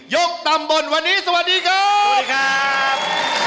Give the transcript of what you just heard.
กตำบลวันนี้สวัสดีครับสวัสดีครับ